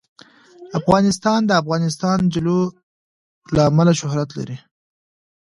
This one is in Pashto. افغانستان د د افغانستان جلکو له امله شهرت لري.